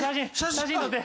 写真撮って。